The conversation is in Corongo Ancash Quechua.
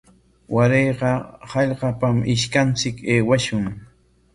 Warayqa hallqapam ishkanchik aywashun.